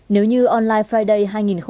nếu như online friday hai nghìn một mươi tám